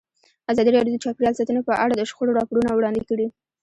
ازادي راډیو د چاپیریال ساتنه په اړه د شخړو راپورونه وړاندې کړي.